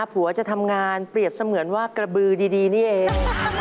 ผัวจะทำงานเปรียบเสมือนว่ากระบือดีนี่เอง